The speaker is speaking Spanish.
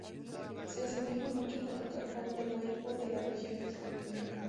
Se asemeja mucho con el Cajón del Maipo en la Región Metropolitana.